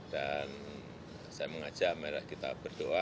dan saya mengajak mereka kita berdoa